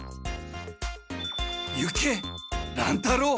行け乱太郎！